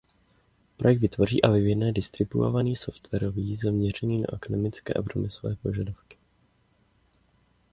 Projekt vytvoří a vyvine distribuovaný softwarový zaměřený na akademické a průmyslové požadavky.